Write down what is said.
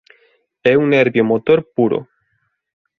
É un nervio motor puro.